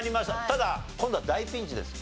ただ今度は大ピンチです。